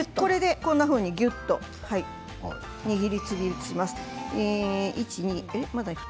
こんなふうに手でぎゅっと握りつぶします。